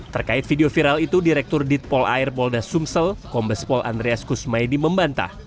terkait video viral itu direktur ditpol air polda sumsel kombespol andreas kusmaedi membantah